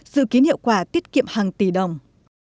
dự kiến hiệu quả tiết kiệm hàng tỷ đồng